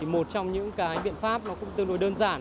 một trong những cái biện pháp nó cũng tương đối đơn giản